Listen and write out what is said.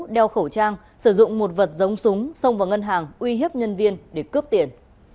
đeo khẩu trang sử dụng một vật giống súng xông vào ngân hàng uy hiếp nhân viên để cướp tiền